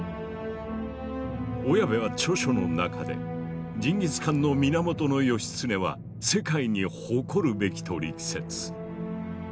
小谷部は著書の中で「ジンギス・カンの源義経は世界に誇るべき」と力説。